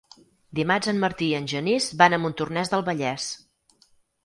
Dimarts en Martí i en Genís van a Montornès del Vallès.